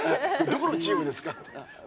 どこのチームですか？